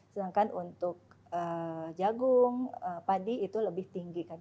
sedangkan untuk jagung padi itu lebih tinggi kan